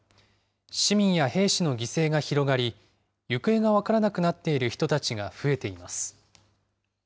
市民や兵士の犠牲が広がり、行方が分からなくなっている人たちが増えています。